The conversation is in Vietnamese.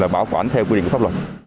bảo quản theo quy định pháp luật